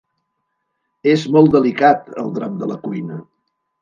És molt delicat el drap de la cuina!